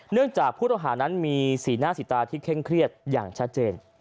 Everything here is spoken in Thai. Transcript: จากผู้ต้องหานั้นมีสีหน้าสีตาที่เคร่งเครียดอย่างชัดเจน